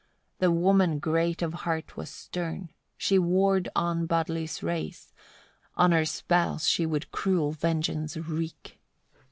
The woman great of heart was stern, she warred on Budli's race; on her spouse she would cruel vengeance wreak.